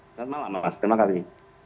selamat malam mas terima kasih